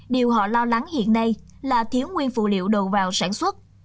điều họ lo lắng hiện nay là thiếu nguyên phụ liệu đầu vào sản xuất